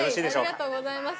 ありがとうございます。